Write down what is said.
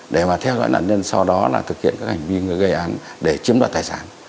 để mà theo dõi nạn nhân sau đó là thực hiện các hành vi gây án để chiếm đoạt tài sản